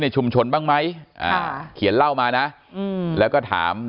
ชุมชนบ้างไหมอ่าเขียนเล่ามานะแล้วก็ถาม